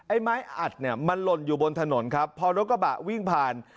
ไอ้ไม้อัดมันลนอยู่บนถนนครับพอรถกระบะวิ่งผ่าน